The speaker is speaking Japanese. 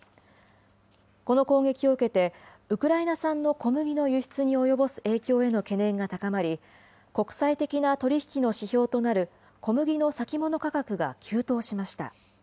この攻撃を受けて、ウクライナ産の小麦の輸出に及ぼす影響への懸念が高まり、国際的な取り引きの指標となる小麦の先物価格が急騰しました。